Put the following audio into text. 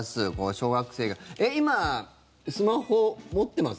小学生が今、スマホ持ってます？